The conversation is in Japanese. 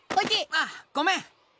ああごめん。